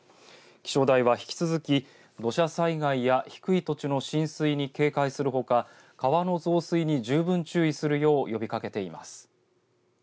気象台は、引き続き土砂災害や低い土地の浸水に警戒するほか川の増水に十分注意するよう呼びかけています。